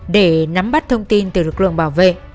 để nắm bắt thông tin từ lực lượng bảo vệ